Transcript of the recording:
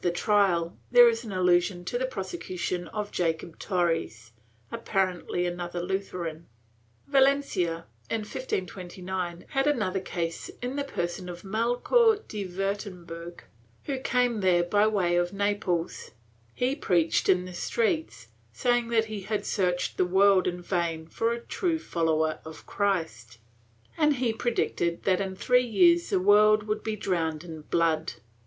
422 PROTESTANTISM [Book VIII trial, there is an allusion to the prosecution of Jacob Torres, apparently another Lutheran. Valencia, in 1529, had another case in the person of Melchor de Wiirttemberg, who came there by way of Naples. He preached in the streets, saying that he had searched the world in vain for a true follower of Christ, and he predicted that in three years the world would be drowned in blood.